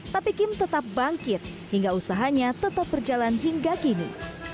tapi kim tetap bangkit hingga usahanya tetap berjalan hingga kini